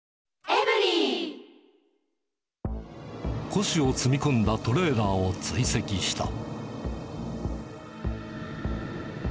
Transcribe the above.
古紙を積み込んだトレーラーを追跡した。